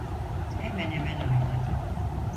Hemen hemen aynı.